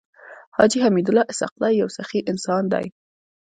حاجي حميدالله اسحق زی يو سخي انسان دی.